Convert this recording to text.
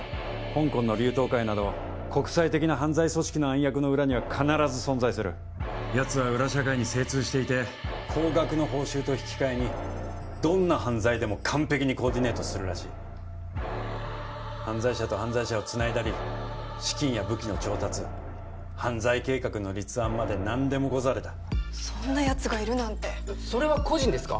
香港の龍騰会など国際的な犯罪組織の暗躍の裏には必ず存在するやつは裏社会に精通していて高額の報酬と引き換えにどんな犯罪でも完璧にコーディネートするらしい犯罪者と犯罪者をつないだり資金や武器の調達犯罪計画の立案まで何でもござれだそんなやつがいるなんてそれは個人ですか？